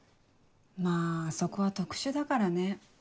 まぁあそこは特殊だからね。